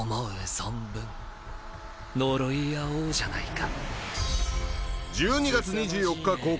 存分呪い合おうじゃないか。